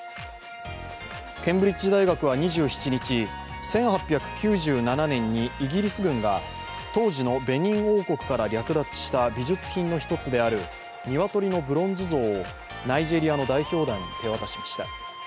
ケンブリッジ大学は２７日、１８９７年にイギリス軍が当時のベニン王国から略奪した美術品の１つであるニワトリのブロンズ像をナイジェリアの代表団に手渡しました。